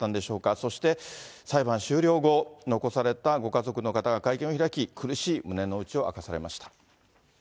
そして裁判終了後、残されたご家族の方が会見を開き、苦しい胸の内を明かされました。